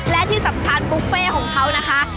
และที่สำคัญบุฟเฟ่ของเขานะคะ